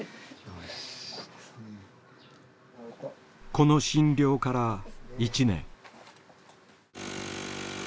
この診療から１年。